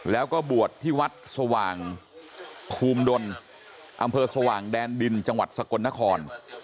แล้วก็บวชที่วัดสว่างภูมิดลอำเภอสว่างแดนดินจังหวัดสกลนคร